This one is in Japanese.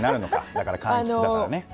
だからかんきつだからね。